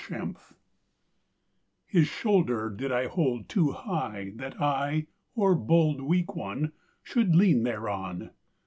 ANY SAINT His shoulder did I hold Too high that I, o'erbold Weak one, Should lean thereon.